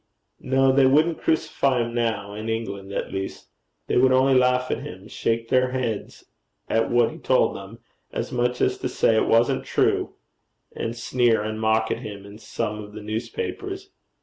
'No, they wouldn't crucify him now in England at least. They would only laugh at him, shake their heads at what he told them, as much as to say it wasn't true, and sneer and mock at him in some of the newspapers.'